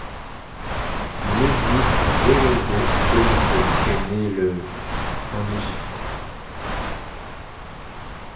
Nebiu Zewolde Demeke est né le en Égypte.